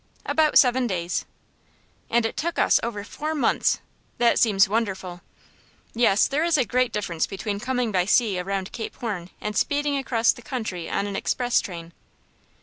"About seven days." "And it took us over four months! That seems wonderful." "Yes; there is a great difference between coming by sea around Cape Horn and speeding across the country on an express train."